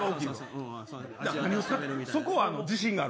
そこは自信がある。